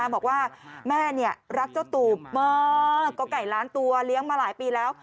บอกว่าแม่รักเจ้าตูบมากก็ไก่ล้านตัวเลี้ยงมาหลายปีแล้ว